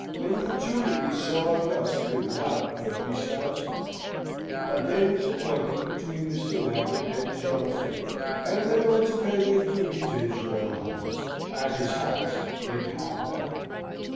Importunity so august could not but be satisfied. A day was appointed between Mr. Lambert and his young friend, and they went to pay their duty to his Royal Highness at his house in Pall Mall.